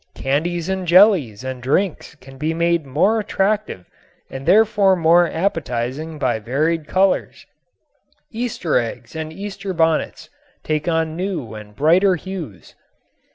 Candies and jellies and drinks can be made more attractive and therefore more appetizing by varied colors. Easter eggs and Easter bonnets take on new and brighter hues.